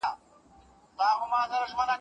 استاد د شاګردانو نظریات نه ردوي.